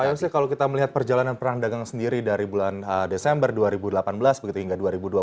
pak yose kalau kita melihat perjalanan perang dagang sendiri dari bulan desember dua ribu delapan belas begitu hingga dua ribu dua puluh